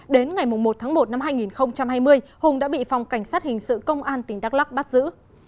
đến ngày một tháng một năm hai nghìn hai mươi hùng đã bị phòng cảnh sát hình sự công an tỉnh đắk lắc bắt giữ